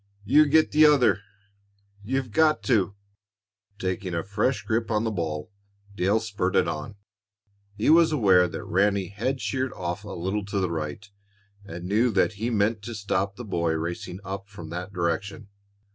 You get the other you've got to!" Taking a fresh grip on the ball, Dale spurted on. He was aware that Ranny had sheered off a little to the right, and knew that he meant to stop the boy racing up from that direction.